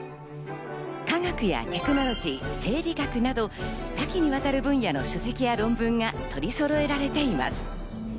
化学やテクノロジー、生理学など多岐にわたる分野の書籍や論文が取りそろえられています。